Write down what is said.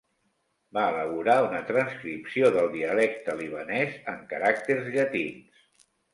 Va elaborar una transcripció del dialecte libanès en caràcters llatins.